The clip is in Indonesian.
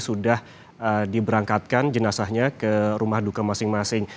sudah diberangkatkan jenazahnya ke rumah duka masing masing